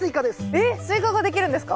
えっスイカができるんですか？